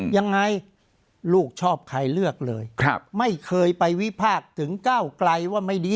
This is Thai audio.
ยังไงลูกชอบใครเลือกเลยไม่เคยไปวิพากษ์ถึงก้าวไกลว่าไม่ดี